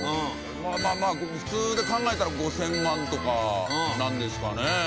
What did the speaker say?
まあまあまあ普通で考えたら５０００万とかなんですかね